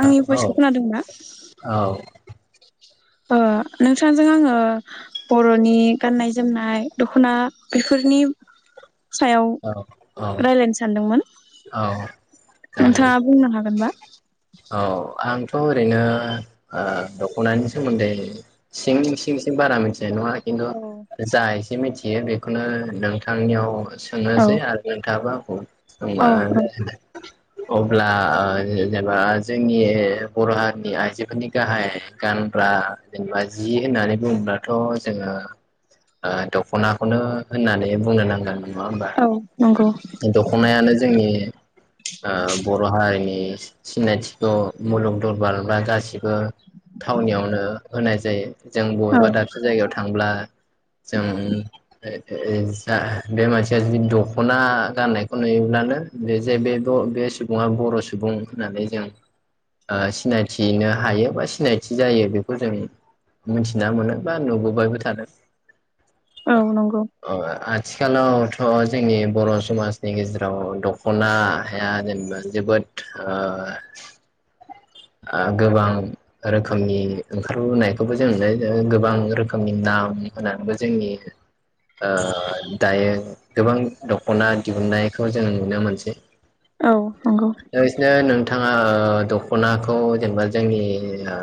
आंनि औ भइसखौ खोनादोंना औ ओ नोंथांजों आङो बर'नि गाननाय जोमनाय दखना बेफोरनि सायाव औ औ रायलायनो सानदोंमोन औ जागोन दे नोंथाङा बुंनो हागोनबा? औ आं थ'ओरैनो ओ दख'नानि सोमोन्दै सिं सिं सिं बारा मोनसे औ [unintelligible] मिथियो बेखौनो नोंथांनियाव औ सोंनोसै आरो गाबा औ औ [unintelligible] अब्ला ओ जेनेबा जोंनि बर' हारिनि आइजोफोरनि गाहाय गानग्रा जेनेबा जि होननानै बुङोब्लाथ' जोङो ओ दख'नाखौनो होननानै बुंनो नांगोन। नङा होमबा औ नंगौ दख'नायानो जोंनि ओ बर' हारिनि सिनायथिखौ मुलुग दरबार बा गासिबो थावनियावनो होनाय जायो। जों औ बबेबा दाबसे जायगायाव थांब्ला जों जा बे मानसिया जुदि दख'ना गाननायखौ नुयोब्लानो बे जे बे ब बे सुबुङा बर' सुबुं होननानै जों ओ सिनायथिनो हायो बा सिनायथि जायो बेखौ जों मिथिना मोनो बा नुबोबायबो थादों औ नंगौ औ आ आथिखालावथ' जोंनि बर' समाजनि गेजेराव दख'ना हाया जेनेबा जोबोद ओ ओ गोबां रोखोमनि ओंखारबोनायखौबो जों नुनो गोबां रोखोमनि नाम होनानैबो जोंनि ओ दायो गोबां दख'ना दिहुननायखौ जों नुनो मोनसै औ नंगौ लोगोसेनो नोंथाङा द दख'नाखौ जेनेबा जोंनि ओ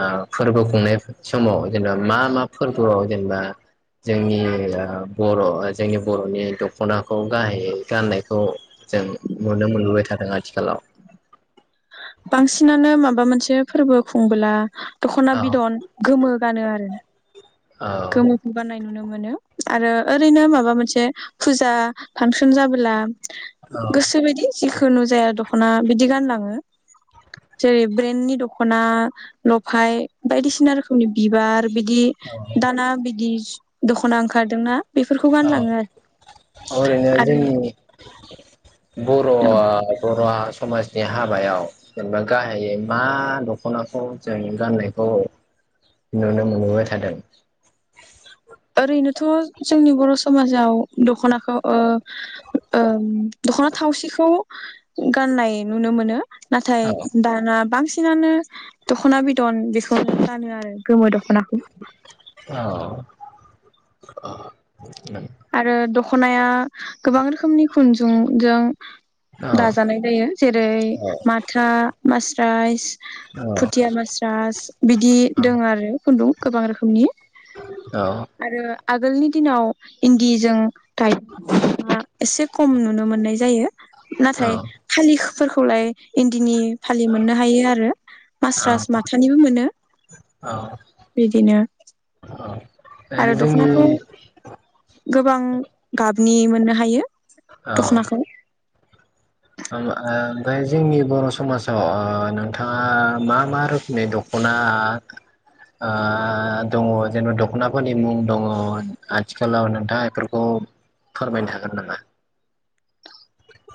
ओ फोरबो खुंनाय समाव जेनेबा मा मा फोरबोआव जेनेबा जोंनि ओ बर' जोंनि बर'नि दख'नाखौ गाहायै गाननायखौ जों नुनो मोनबोबाय थादों आथिखालाव बांसिनानो माबा मोनसे फोरबो खुंबोला दख'ना औ बिदन गोमो गानो आरो गोमोखौ गाननाय नुनो मोनो आरो ओरैनो माबा मोनसे फुजा फांसन जाबोला औ औ गोसो बायदि जेखुनुजाया द दखना बिदि गानलाङो जेरै ब्रेन्डनि दख'ना लफाय बायदिसिना रोखोमनि बिबार बिदि दाना बिदि दख'ना ओंखारदोंना बेफोरखौ औ गानलाङो ओरैनो आरो जोंनि बर' आरो बर' समाजनि हाबायाव जेनेबा गाहायै मा दख'नाखौ जों गाननायखौ नुनो मोनबोबाय थादों ओरैनोथ' जोंनि बर' समाजाव दख'नाखौ ओ ओ दख'ना थावसिखौ गाननाय नुनो मोनो नाथाय औ दाना बांसिन बांसिनानो दख'ना बिदन बेखौ गानो आरो गोमो दख'नाखौ अ आरो दखनाया गोबां रोखोमनि खुनदुंजों औ दाजानाय जायो जेरै माथा मासि प्राइस फुथिया मास्रास बिदि दं आरो खुन्दुं गोबां रोखोमनि औ आरो आगोलनि दिनाव इन्दिजों [unintelligible] एसे खम नुनो मोननाय जायो। नाथाय फालिखौ फोरखौलाय इन्दिनि फालि मोननो हायो आरो औ मास्रायस माथानिबो मोनो औ बिदिनो औ आरो जोंनि दख'नाखौ गोबां गाब नि मोननो हायो दखनाखौ ओ ओमफ्राय जोंनि बर' समाजाव ओ नोंथाङा मा मा रोखोमनि दख'ना ओ ओ दङ जेनबा दख'नाफोरनि मुं दङ आथिखालाव नोंथाङा बेफोरखौ फोरमायनो हागोन नामा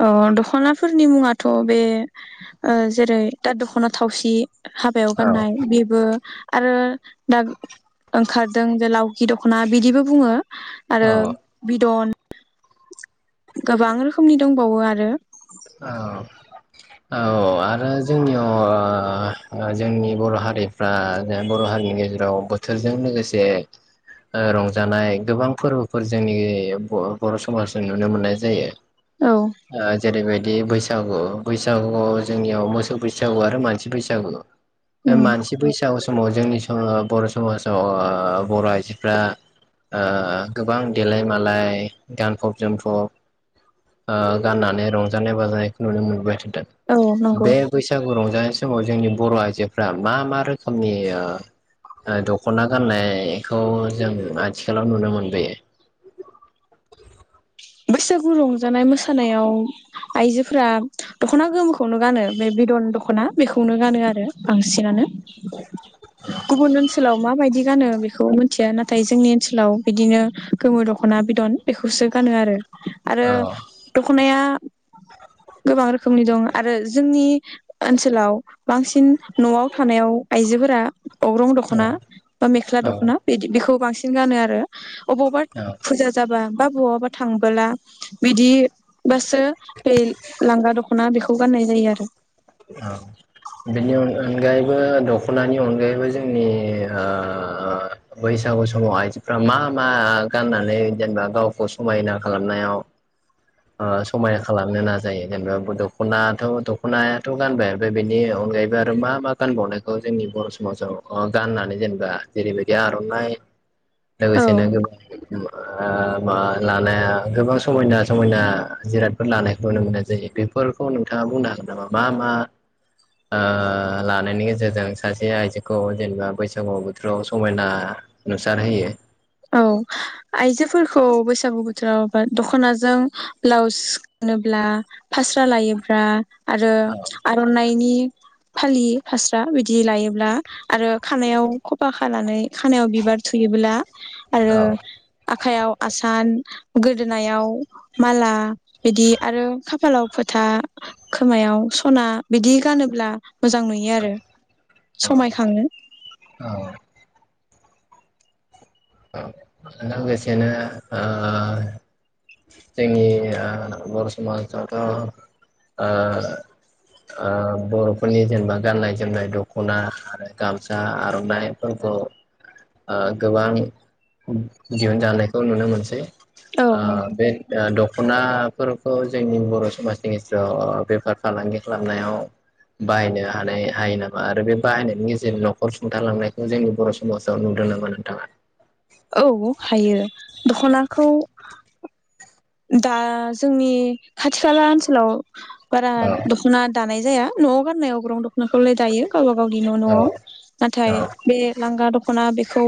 अ दख'नाफोरनि मुङाथ' बे ओ जेरै दा दख'ना थावसि हाबायाव औ गाननाय बेबो आरो दा ओंखारदों जे लावखि दख'ना बिदिबो बुङो। आरो औ बिदन गोबां रोखोमनि दंबावो आरो औ औ आरो जोंनियाव ओ जोंनि बर' हारिफ्रा बर' हारिनि गेजेराव बोथोरजों लोगोसे ओ रंजानाय गोबां फोरबोफोर जोंनि बर' समाजजों नुनो मोननाय जायो। औ ओ जेरैबायदि बैसागु बैसागुआव जोंनियाव मोसौ बैसागु आरो मानसि बैसागु मानसि बैसागु समाव जोंनि सम ओ बर' समाजाव बर' आइजोफ्रा ओ ओ गोबां देलाय मालाय गानफब जोमफब ओ गाननानै रंजा जानाय बाजानायखौ नुनो मोनबाय औ नंगौ बे बैसागु रंजानाय बे समाव जोंनि बर' आइजोफ्रा मा मा रोखोमनि ओ ओ दख'ना गाननायखौ जों आथिखालाव नुनो मोनबोयो? बैसागु रंजानाय मोसानायाव आइजोफोरा दख'ना गोमोखौनो गानो बे बिदन दख'ना बेखौनो गानो आरो बांसिनानो। गुबुन ओनसो ओनसोलाव माबायदि गानो बेखौ मिथिया नाथाय जोंनि ओनसोलाव बिदिनो गोमो दख'ना बिदन बेखौसो गानो आरो आरो औ दख'नाया गोबां रोखोमनि दं आरो जोंनि ओनसोलाव बांसिन न'आव थानायाव आइजोफोरा अग्रं औ दख'ना बा मेख्ला औ दख'ना बेदि बेखौ बांसिन नो गानो आरो अबावबा औ फुजा जाबा बा बहाबा थांबोला बिदिबासो बे लांगा दख'ना बेखौ गाननाय जायो आरो औ बेनि अनगायैबो दख'नानि अनगायैबो जोंनि ओ बैसागु समाव आइजोफ्रा मा मा गाननानै जेनेबा गावखौ समायना खालामनायाव ओ समायना खालामनायाव थ' गानबाय आरो बेनि अनगायैबो आरो मा मा गानबावनायखौ जोंनि बर' समाजाव ओ गाननानै जेनेबा जेरैबायदि आर'नाइ औ लोगोसेनो ओ मा लानाया गोबां समायना समायना जिरादफोर लानायखौ नुनो मोननाय जायो बेफोरखौ नोंथाङा बुंनो हागोन नामा? मा मा ओ लानायनि गेजेरजों सासे आइजोखौ जेनेबा बैसागु बोथोराव समायना नुसारहोयो औ आइजोफोरखौ बैसागु बोथोरावा बा दख'नाजों ब्लाउस गानोब्ला फास्रा लायोब्ला आरो औ आर'ननाइनि फालि फास्रा बायदि लायोब्ला आरो खानायाव खफा खानानै खानायाव बिबार थुयोब्ला आरो औ आखाइयाव आसान गोदोनायाव माला बिदि आरो खाफालाव फोथा खोमायाव सना बिदि गानोब्ला मोजां नुयो आरो समाय खाङो अ लोगोसेनो ओ जोंनि ओ बर' समाजावथ' ओ ओ बर'फोरनि जेनेबा गाननाय जोमनाय दख'ना आरो गामसा आर'नाइफोरखौ ओ गोबां उम दिहुनजानायखौ नुनो मोनसै औ अ नंगौ बे आ द दख'नाफोरखौ जोंनि बर' समाजनि गेजेराव बेफार फालांगि खालामनायाव बाहायनो हानाय हायो नामा आरो बे बाहायनायनि गेजेरजों न'खर सुंथालांनायखौ जोंनि बर' समाजाव नुदों नामा नोंथाङा? औ हायो दख'नाखौ दा जोंनि खाथि खाला ओनसोलाव बारा औ दख'ना दानाय जाया न'आव गाननायाव अग्रं दखनाखौलाय दायो गावबा गावनि न' न'आव औ नाथाय औ बे लांगा दख'ना बे खौ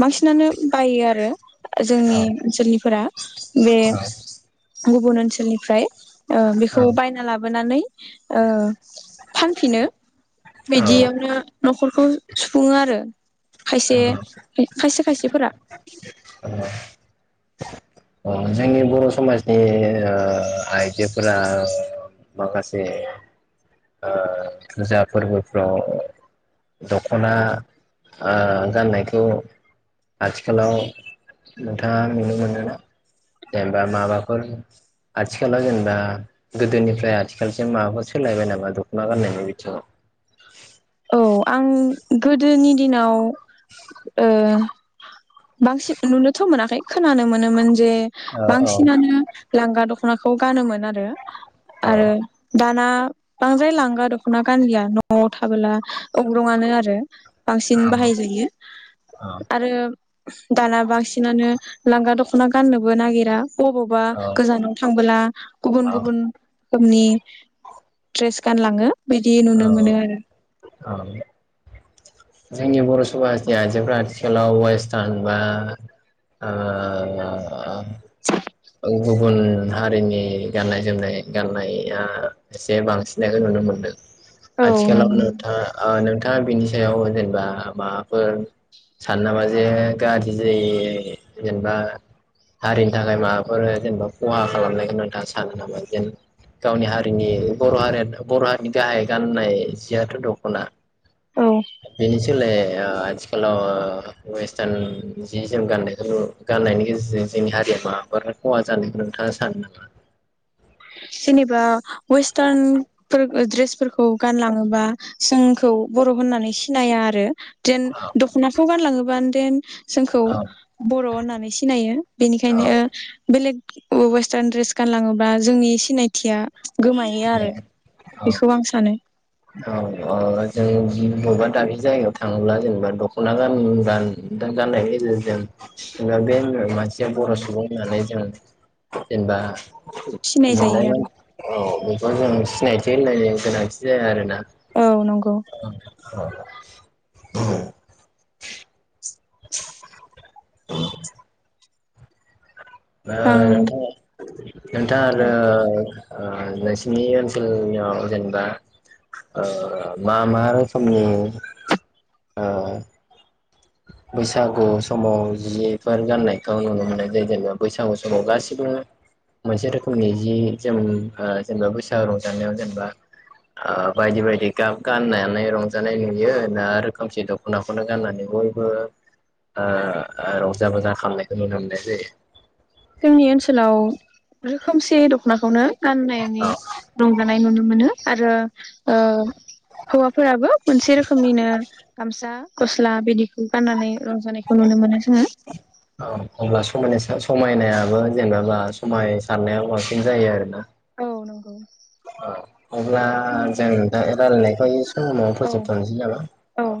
बांसिनानो बायो आरो जोंनि ओनसोलनिफोरा बे गुबुन ओनसोलनिफ्राय अ बिखौ बायना ला बोनानै ओ फानफिनो बिदियावनो न'खरखौ सुफुङो आरो खायसे औ खायसे खायसेफोरा औ आ जोंनि बर' समाजनि आ आइजोफोरा आ माखासे आ फुजा फोरबोफ्राव दख'ना आ गाननायखौ आथिखालाव नोंथाङा नुनो मोनोना? जेनेबा माबाफोर आथिखालाव जेनेबा गोदोनिफ्राय आथिखालजों माबाफोर सोलायबाय नामा दख'ना गाननायनि बिथिङाव औ आं गोदोनि दिनाव ओ बांसिन नुनोथ' मोनाखै खोनानो मोनोमोन। जे औ औ बांसिनानो लांगा दख नाखौ गानोमोन आरो औ आरो दाना बांद्राय लांगा दख'ना गानलिया न'आव था बोला अग्रंङानो आरो बांसिन औ बाहायजायो औ आरो दाना बांसिनानो लांगा दख'ना गाननोबो नागिरा बबावबा गोजानाव थांबोला गुबुन औ गुबुन रोखोमनि द्रेरेस गानलाङो बिदि नुनो मोनो आरो आ जोंनि बर' समाजनि आइजोफोरा आथिखालाव वेस्टार्न बा ओ गुबुन हारिनि गाननाय- जोमनाय गाननाया एसे बांसिनायखौ नुनो मोनदों औ आथिखालाव नंगौ नोंथाङा ओ नोंथाङा बिनि याव जेनेबा माबाफोर सानो नामा जे गाज्रि जायो जेनेबा हारिनि थाखाय मा आरो जेनेबा खहा खालामनायखौ नोंथाङा सानो नामा जेन गावनि हारिनि बर' हारिया बर' हारिनि गाहाय गाननाय जियाथ' दख'ना औ बे आथिखालाव ओ वेस्टार्न जि जोम गाननायखौ गान्नायनि गेजेरजों जोंनि हारिया माबाफोर खहा जानायखौ नोंथाङा सानो नामा? जेनेबा वेस्टारन फोर ड्रेसफोरखौ गानलाङोबा जोंखौ बर' होननानै सिनाया आरो जेन औ दख'नाखौ गानलाङोबानो जेन जोंखौ बर' होननानै सिनायो औ बेनिखायनो बेलेग वेस्टार्न ड्रेस गानलाङोबा जोंनि सिनायथिया गोमायो आरो औ बेखौ आं सानो औ ओ जों बबेबा दानि जायगायाव थाङोब्ला जेनेबा दख'ना गान- गान गान्नायनि गेजेरजों जेनेबा बे मानसिया औ बर' सुबुं होननानै जों जेनेबा सिनाय नुनाय जायो आरो औ बेखौ जों सिनायथि होलायनो गोनांथि जाया आरोना औ नंगौ। औ [unintelligible] ओ आं नोंथां नोंथां आरो ओ नोंसिनि ओनसोलाव जेनेबा ओ मा मा रोखोमनि ओ बैसागु समाव जिफोर गाननायखौ नुनो मोननाय जायो जेनेबा बैसागु समाव गासिबो मोनसे रोखोमनि जि जोम ओ जेनेबा बैसागु रंजानायाव जेनेबा ओ बायदि बायदि गाब गाननानै रंजानाय नुयो ना रोखोमसे दखनाखौनो गाननानैबो ओ रंजा बाजा खालामनायखौ नुनो मोननाय जायो। जोंनि ओनसोलाव खोमसे दख'नाखौनो गाननानै औ रंजानाय नुनो मोनो। आरो ओ हौवाफोराबो मोनसे रोखोमनिनो गामसा गस्ला बिदिखौ गाननानै रंजानायखौ नुनो मोनो। जोङो औ अब्ला समायनायसिन समायनायाबो जेनेबा समायसारनायाव बांसिन जायो आरोना औ नंगौ औ अब्ला जों दा रायलायनायखौ इ समावनो औ फोजोबथ'नोसै नामा औ